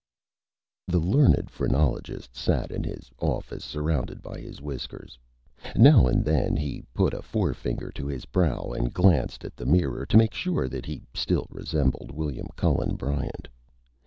The Learned Phrenologist sat in his Office surrounded by his Whiskers. Now and then he put a Forefinger to his Brow and glanced at the Mirror to make sure that he still resembled William Cullen Bryant.